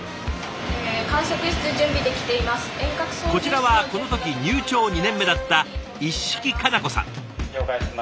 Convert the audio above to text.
こちらはこの時入庁２年目だった一色佳菜子さん。